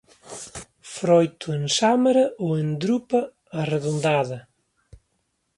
Froito en sámara ou en drupa arredondada.